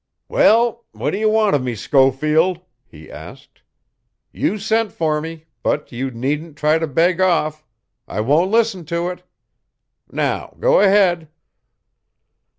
"Well, what do you want of me, Schofield?" he asked. "You sent for me, but you needn't try to beg off. I won't listen to it. Now, go ahead."